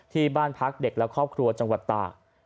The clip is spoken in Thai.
ที่บ้านพักเด็กและครอบครัวจังหวัดตาก